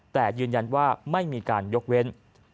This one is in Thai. แต่ยืนยันว่าไม่มีการยกเว้น